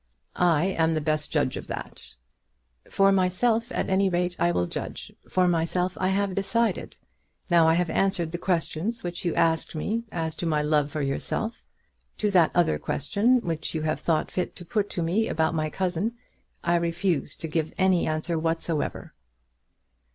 "I am the best judge of that." "For myself at any rate I will judge. For myself I have decided. Now I have answered the questions which you asked me as to my love for yourself. To that other question which you have thought fit to put to me about my cousin, I refuse to give any answer whatsoever."